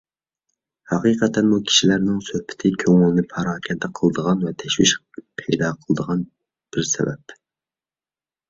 ھەقىقەتەنمۇ كىشىلەرنىڭ سۆھبىتى كۆڭۈلنى پاراكەندە قىلىدىغان ۋە تەشۋىش پەيدا قىلىدىغان بىر سەۋەب.